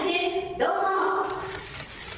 どうぞ。